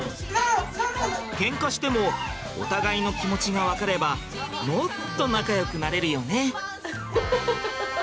ケンカしてもお互いの気持ちが分かればもっと仲良くなれるよね。